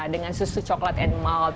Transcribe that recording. dengan susu coklat and mall